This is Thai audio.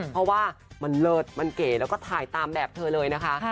เพราะว่ามันเลิศมันเก๋แล้วก็ถ่ายตามแบบเธอเลยนะคะ